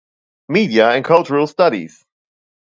Media and cultural studies.